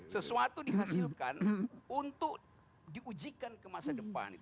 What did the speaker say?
sesuatu dihasilkan untuk diujikan ke masa depan